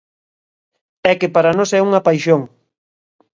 É que para nós é unha paixón!